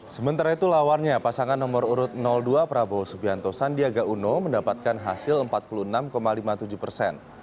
sementara itu lawannya pasangan nomor urut dua prabowo subianto sandiaga uno mendapatkan hasil empat puluh enam lima puluh tujuh persen